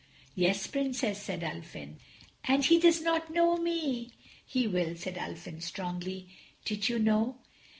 "Yes, Princess," said Ulfin. "And he does not know me—" "He will," said Ulfin strongly. "Did you know?"